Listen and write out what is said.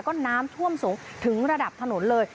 ก็น้ำท่วมสูงถึงระดับถนนเลย